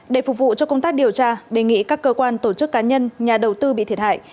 để phục vụ cho công tác điều tra đề nghị các cơ quan tổ chức cá nhân nhà đầu tư bị thiệt hại